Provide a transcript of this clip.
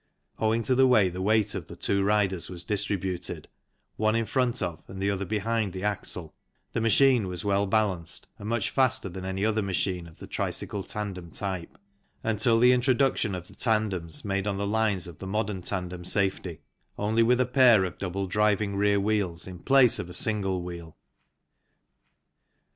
Owing to the way the weight of the two riders was distributed, one in front of and the other behind the axle, the machine was well balanced and much faster than any other machine of the tricycle tandem type until the Introduction of the tandems made on the lines of the modern tandem safety, only with a pair of double driving rear wheels in place of a single wheel.